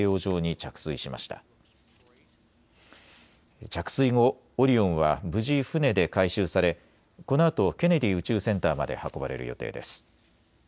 着水後、オリオンは無事、船で回収され、このあとケネディ宇宙センターまで運ばれる予定です。